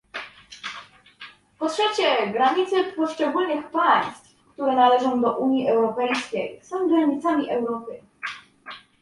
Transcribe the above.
Po trzecie, granice poszczególnych państw, które należą do Unii Europejskiej, są granicami Europy